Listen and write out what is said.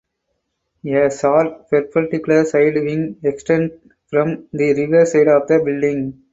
A short perpendicular side wing extends from the rear side of the building.